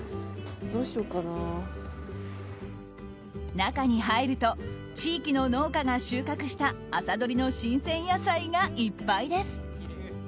中に入ると地域の農家が収穫した朝どりの新鮮野菜がいっぱいです。